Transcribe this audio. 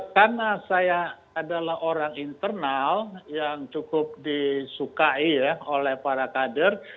karena saya adalah orang internal yang cukup disukai oleh para kader